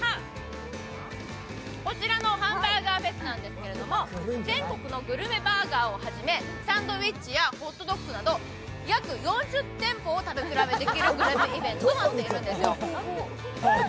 こちらのハンバーガーフェスなんですけれども全国のグルメバーガーをはじめサンドイッチやホットドッグなど約４０店舗を食べ比べできるグルメイベントとなっているんですよ。